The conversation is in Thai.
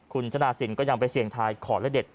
คุณจนาศิลป์ก็ยังไปเซียงทายขอละเด็ด